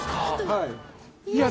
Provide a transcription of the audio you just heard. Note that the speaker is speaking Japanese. はい。